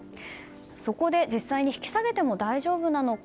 そこで実際に引き下げても大丈夫なのか